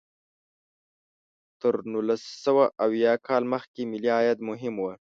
تر نولس سوه اویا کال مخکې ملي عاید مهم و.